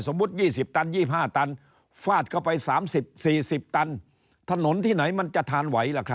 สมมุติ๒๐ตัน๒๕ตันฟาดเข้าไป๓๐๔๐ตัน